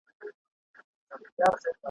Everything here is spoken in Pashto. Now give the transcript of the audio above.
دا محفل دی د رندانو دلته مه راوړه توبې دي ,